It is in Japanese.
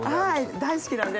大好きなんで。